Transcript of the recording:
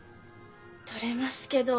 取れますけど。